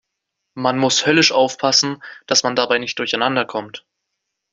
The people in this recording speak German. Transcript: Man muss höllisch aufpassen, dass man dabei nicht durcheinander kommt.